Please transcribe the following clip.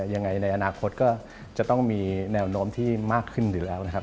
ในอนาคตก็จะต้องมีแนวโน้มที่มากขึ้นอยู่แล้วนะครับ